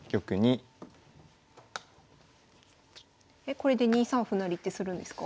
これで２三歩成ってするんですか？